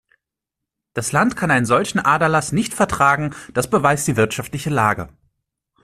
Das Land kann einen solchen Aderlass nicht vertragen, das beweist die wirtschaftliche Lage.